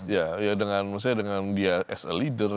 ya ya dengan dia sebagai pemimpin